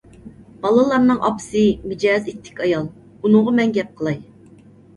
بالىلارنىڭ ئاپىسى مىجەزى ئىتتىك ئايال، ئۇنىڭغا مەن گەپ قىلاي.